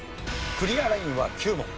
クリアラインは９問。